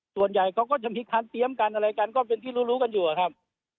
ส่วนใหญ่เขาก็จะมีการเตรียมกันอะไรกันก็เป็นที่รู้รู้กันอยู่อะครับ